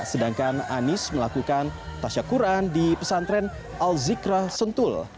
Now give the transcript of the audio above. sedangkan anies melakukan tasyakuran di pesantren al zikra sentul